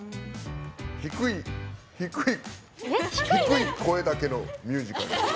低い声だけのミュージカル。